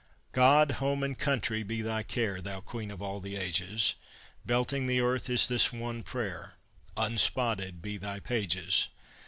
God, home, and country be thy care, Thou queen of all the ages! Belting the earth is this one prayer: Unspotted be thy pages!